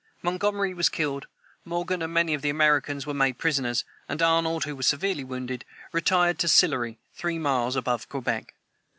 Montgomery was killed, Morgan and many of the Americans were made prisoners, and Arnold, who was severely wounded, retired to Sillery, three miles above Quebec.